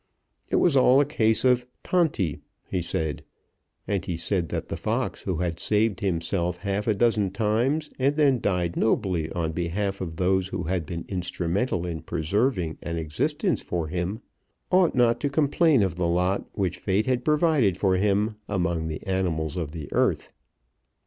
It was all a case of "tanti," he said, and he said that the fox who had saved himself half a dozen times and then died nobly on behalf of those who had been instrumental in preserving an existence for him, ought not to complain of the lot which Fate had provided for him among the animals of the earth.